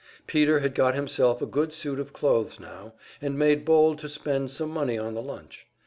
Peter had got himself a good suit of clothes now, and made bold to spend some money on the lunch.